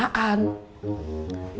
emang duitnya buat apaan